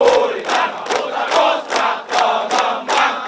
puri tanah putar kosra kemembang